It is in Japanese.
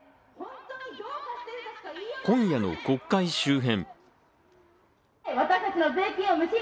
今夜の国会周辺。